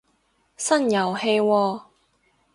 新遊戲喎